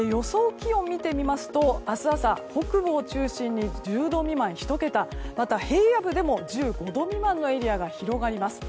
気温を見てみますと明日朝北部を中心に１０度未満、１桁また、平野部でも１５度未満のエリアが広がります。